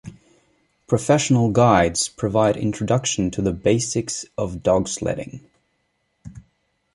Professional guides provide introduction to the basics of dogsledding.